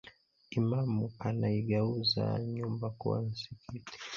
Imamu kanaigauza nyumba kuwa nsikiti